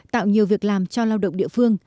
tạo nhiều việc làm cho lao động địa phương